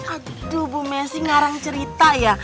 aduh bu messi ngarang cerita ya